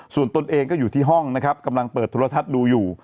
ส่วนตนเองก็อยู่ที่ห้องนะครับกำลังเปิดโทรทัศน์ดูอยู่